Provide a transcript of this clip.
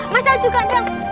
masal juga dong